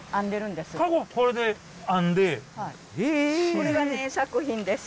これがね作品です。